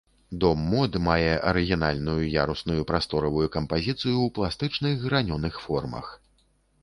Дом мод мае арыгінальную ярусную прасторавую кампазіцыю ў пластычных гранёных формах.